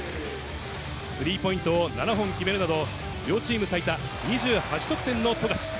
スリーポイントを７本決めるなど、両チーム最多２８得点の富樫。